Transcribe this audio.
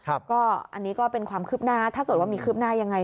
อันนี้ก็เป็นความคืบหน้าถ้าเกิดว่ามีคืบหน้ายังไง